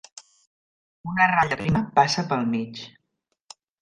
Una ratlla prima passa pel mig.